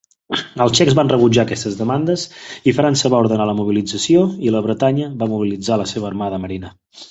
Els txecs van rebutjar aquestes demandes, i França va ordenar la mobilització i la Bretanya va mobilitzar la seva armada marina.